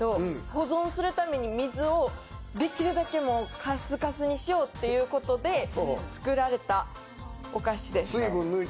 保存するために水をできるだけカスカスにしようっていうことで作られたお菓子です。